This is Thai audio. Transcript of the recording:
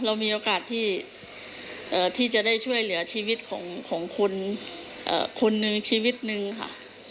เรามีโอกาสที่จะได้ช่วยเหลือชีวิตของคนคนหนึ่งชีวิตนึงค่ะ